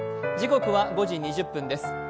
時刻は５時２０分です。